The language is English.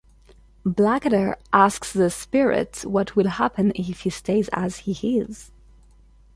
Blackadder asks the Spirit what will happen if he stays as he is.